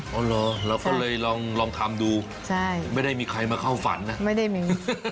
อ๋อเหรอเราก็เลยลองทำดูไม่ได้มีใครมาเข้าฝันนะฮ่าใช่ไม่ได้มี